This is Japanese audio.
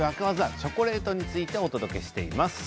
チョコレートについてお届けしています。